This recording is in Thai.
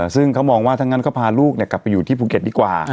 ซึ่งเขามองว่าถ้างั้นก็พาลูกกลับไปอยู่ที่ภูเก็ตดีกว่า